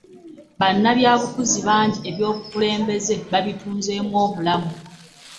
bbannabyabufuzi bangi eby'obukulembeze bbabitunzeemu obulamu